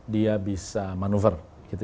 dia bisa manuver